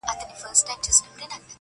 زما او جانان د زندګۍ خبره ورانه سوله,